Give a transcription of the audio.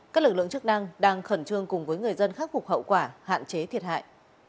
các lực lượng chức năng đang khẩn trương cùng với người dân khắc phục hậu quả hạn chế thiệt hại